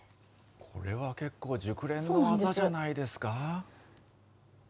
これは結構熟練の技じゃないですか。